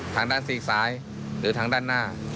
ทางด้านซีกซ้ายหรือทางด้านหน้า